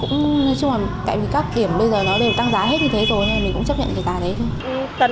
nói chung là tại vì các điểm bây giờ nó đều tăng giá hết như thế rồi nên mình cũng chấp nhận cái giá đấy thôi